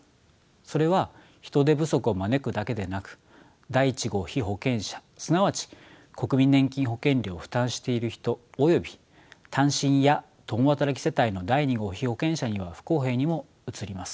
それは人手不足を招くだけでなく第１号被保険者すなわち国民年金保険料を負担している人および単身や共働き世帯の第２号被保険者には不公平にも映ります。